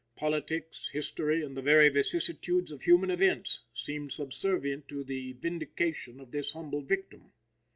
Politics, history and the very vicissitudes of human events seemed subservient to the vindication of this humble victim.